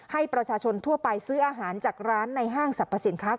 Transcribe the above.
ให้ประชาชนทั่วไปซื้ออาหารจากร้านในห้างสรรพสินค้า